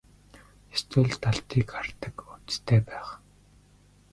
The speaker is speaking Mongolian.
Ёстой л далдыг хардаг увдистай байх.